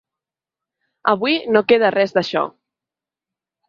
Avui no queda res d’això.